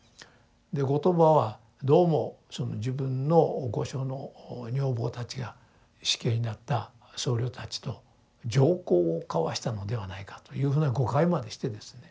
で後鳥羽はどうもその自分の御所の女房たちが死刑になった僧侶たちと情交を交わしたのではないかというふうな誤解までしてですね。